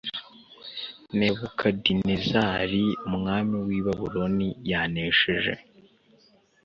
Nebukadinezari umwami w i Babuloni yanesheje